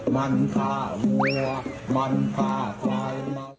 มันฆ่าเมืองมันฆ่าฟ้าน